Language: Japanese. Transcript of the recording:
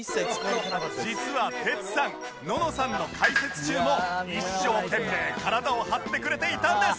実はテツさんののさんの解説中も一生懸命体を張ってくれていたんです